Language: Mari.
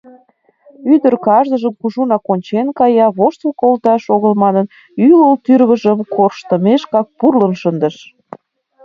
Ӱдыр кажныжым кужунак ончен кая, воштыл колташ огыл манын, ӱлыл тӱрвыжым корштымешкак пурлын шындыш.